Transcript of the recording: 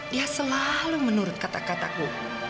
dia selalu menurut kata kataku